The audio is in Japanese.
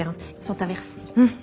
うん。